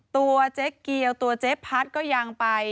ตัวเจ๊เกียวตัวเจ๊พัดก็ยังไป